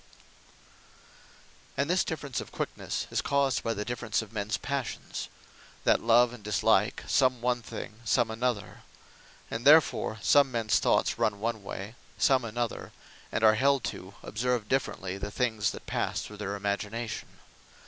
Good Wit, Or Fancy; Good Judgement; Discretion And this difference of quicknesse, is caused by the difference of mens passions; that love and dislike, some one thing, some another: and therefore some mens thoughts run one way, some another: and are held to, and observe differently the things that passe through their imagination.